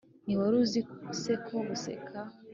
ntiwari uzi se ko guseka